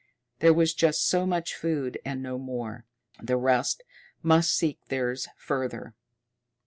There was just so much food and no more; the rest must seek theirs further.